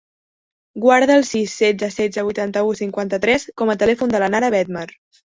Guarda el sis, setze, setze, vuitanta-u, cinquanta-tres com a telèfon de la Nara Bedmar.